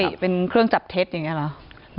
เป็นเครื่องจับเท็จอย่างนี้เหรอ